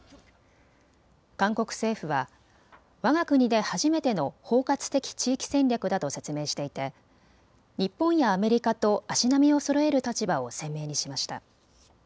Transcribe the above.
韓国政府は、わが国で初めての包括的地域戦略だと説明していて日本やアメリカと足並みをそろえる立場を鮮明にしました。